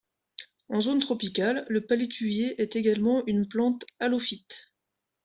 En zone tropicale, le palétuvier est également une plante halophyte.